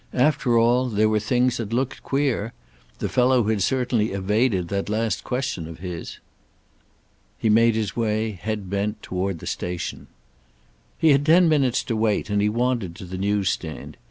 After all, there were things that looked queer. The fellow had certainly evaded that last question of his. He made his way, head bent, toward the station. He had ten minutes to wait, and he wandered to the newsstand.